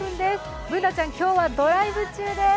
Ｂｏｏｎａちゃん、今日はドライブ中です。